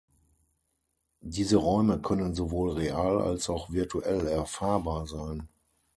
Diese Räume können sowohl real als auch virtuell erfahrbar sein.